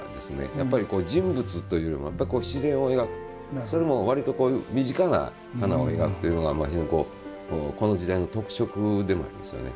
やっぱり人物というよりもやっぱり自然を描くそれも割とこういう身近な花を描くというのが非常にこの時代の特色でもありますよね。